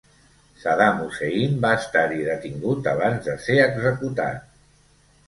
Saddam Hussein va estar-hi detingut abans de ser executat.